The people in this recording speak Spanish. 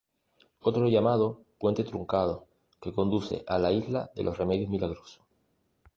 Otro llamado "Puente Truncado" que conduce a la isla de los remedios milagrosos.